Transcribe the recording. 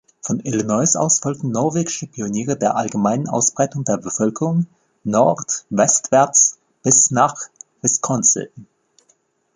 Von Illinois aus folgten norwegische Pioniere der allgemeinen Ausbreitung der Bevölkerung nordwestwärts bis nach Wisconsin.